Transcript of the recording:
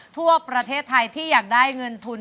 ทั่วประเทศไทยที่อยากได้เงินทุน